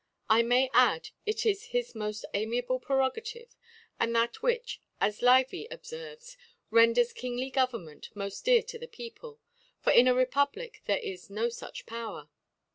I may add, k is his moil amiable Prerogative, and that which as Livy obiervcs ♦, •renders Kingly Government nioft dear to the Peo ple : For in a Republic there is no fuch Power.